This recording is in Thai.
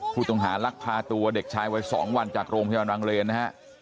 ผู้ต้องหาลักพาตัวเด็กชายวัย๒วันจากโรงพยาบาลวังเลนนะฮะ